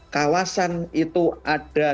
kawasan itu ada